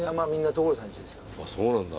そうなんだ。